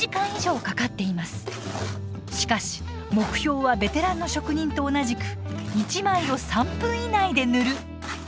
しかし目標はベテランの職人と同じく「１枚を３分以内で塗る」。